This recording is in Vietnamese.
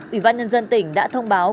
ủy ban nhân dân tỉnh đã thông báo